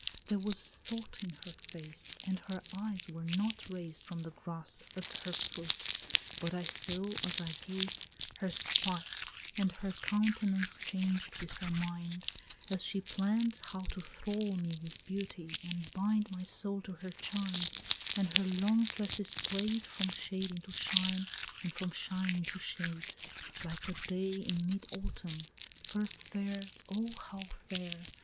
There was thought in her face, and her eyes were not raised From the grass at her foot, but I saw, as I gazed, Her spite and her countenance changed with her mind As she plann'd how to thrall me with beauty, and bind My soul to her charms, and her long tresses play'd From shade into shine and from shine into shade, Like a day in mid autumn, first fair, O how fair!